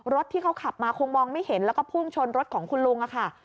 รถที่เขาขับมาคงมองไม่เห็นแล้วก็พุ่งชนรถของคุณลุงค่ะ